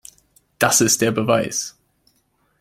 Das ist der Beweis!